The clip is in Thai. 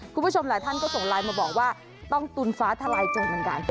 คุณผู้ชมหลายท่านก็ส่งไลน์มาบอกว่าต้องตุนฟ้าทลายโจรเหมือนกัน